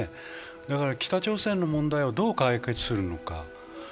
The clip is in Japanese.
だから北朝鮮の問題をどう解決するのか。